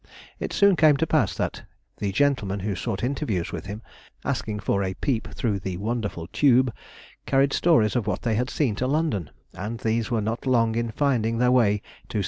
It soon came to pass that the gentlemen who sought interviews with him, asking for a peep through the wonderful tube, carried stories of what they had seen to London, and these were not long in finding their way to St. James's.